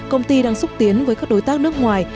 công ty đang xúc tiến với các đối tác nước ngoài